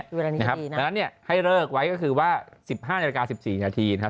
เพราะฉะนั้นเนี่ยให้เลิกไว้ก็คือว่า๑๕นาฬิกา๑๔นาทีนะครับ